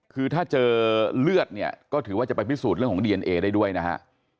คือถ้าเจอเลือดเนี่ยก็ถือว่าจะไปพิสูจน์เรื่องของดีเอนเอได้ด้วยนะฮะ